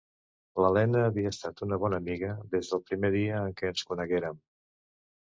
L'Elena havia estat una bona amiga des del primer dia en què ens coneguérem.